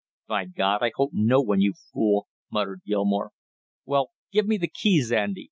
"By God, I hope no one, you fool!" muttered Gilmore. "Well, give me the keys, Andy.